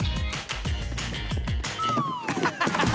ハハハハハ！